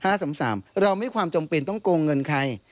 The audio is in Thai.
เราไม่ความจำเป็นต้องโกงเงินใคร